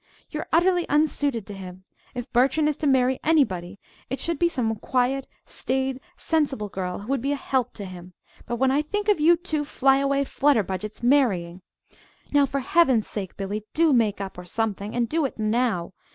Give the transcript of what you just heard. You're utterly unsuited to him. If Bertram is to marry anybody, it should be some quiet, staid, sensible girl who would be a help to him. But when I think of you two flyaway flutterbudgets marrying ! "Now, for heaven's sake, Billy, do make up or something and do it now.